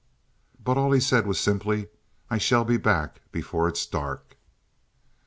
But all he said was simply: "I shall be back before it's dark."